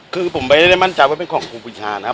คือผมไม่ได้มั่นใจว่าเป็นของครูปีชานะครับ